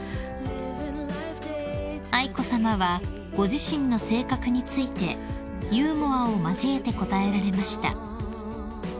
［愛子さまはご自身の性格についてユーモアを交えて答えられました］